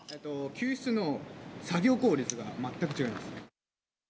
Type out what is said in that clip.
救出の作業効率が全く違います。